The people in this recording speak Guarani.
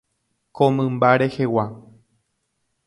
Ko mymba rehegua.